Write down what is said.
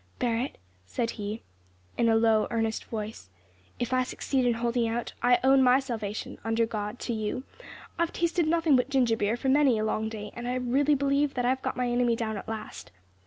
"Barret," said he, in a low, earnest voice, "if I succeed in holding out, I own my salvation, under God, to you. I've tasted nothing but ginger beer for many a long day, and I really believe that I have got my enemy down at last.